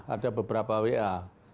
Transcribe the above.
ada beberapa wa